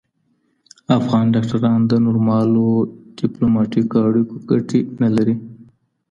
افغان ډاکټران د نورمالو ډیپلوماټیکو اړیکو ګټي نه لري.